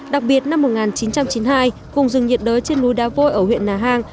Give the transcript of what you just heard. đặc biệt năm một nghìn chín trăm chín mươi hai vùng rừng nhiệt đới trên núi đá vôi ở huyện nà hàng